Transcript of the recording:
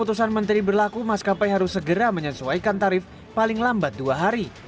keputusan menteri berlaku maskapai harus segera menyesuaikan tarif paling lambat dua hari